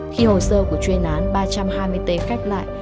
khi hồ sơ của chuyên án ba trăm hai mươi t khép lại